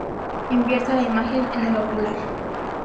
Invierte la imagen en el ocular.